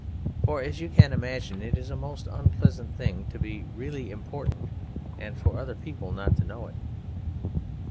For, as you can imagine, it is a most unpleasant thing to be really important and for other people not to know it."